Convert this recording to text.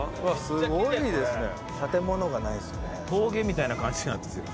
すごいですね。